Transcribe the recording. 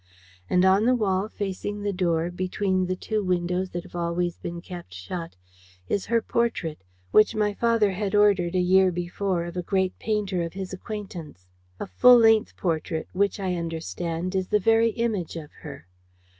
And on the wall facing the door, between the two windows that have always been kept shut, is her portrait, which my father had ordered a year before of a great painter of his acquaintance, a full length portrait which, I understand, is the very image of her.